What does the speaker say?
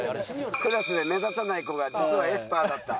クラスで目立たない子が実はエスパーだった。